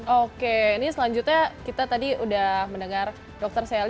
oke ini selanjutnya kita tadi udah mendengar dr sally